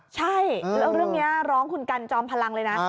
ใช่แล้วเรื่องนี้ร้องคุณกันจอมพลังเลยนะ